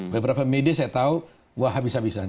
beberapa media saya tahu wah habis habisan